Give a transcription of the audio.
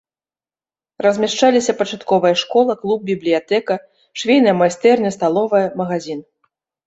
Размяшчаліся пачатковая школа, клуб, бібліятэка, швейная майстэрня, сталовая, магазін.